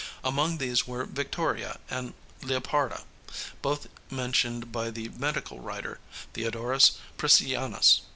Among these were Victoria and Leoparda, both mentioned by the medical writer, Theodorus Priscianus.